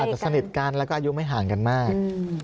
จะสนิทกันแล้วก็อายุไม่ห่างกันมาก